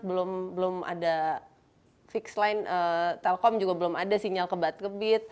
belum ada fix lain telkom juga belum ada sinyal kebat kebit